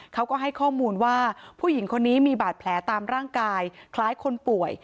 เขาก็ให้ข้อมูลว่าผู้หญิงคนนี้มีบาดแผลตามร่างกายคล้ายคนป่วย